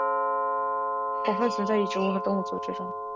广泛存在于植物和动物组织中。